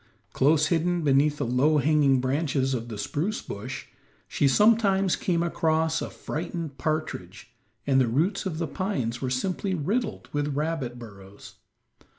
Close hidden beneath the low hanging branches of the spruce bush, she sometimes came across a frightened partridge, and the roots of the pines were simply riddled with rabbit burrows.